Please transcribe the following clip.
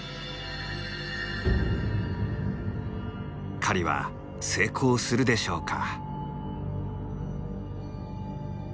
狩りは成功するでしょうか？